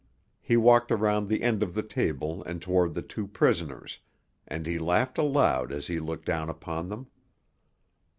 He walked around the end of the table and toward the two prisoners, and he laughed aloud as he looked down upon them.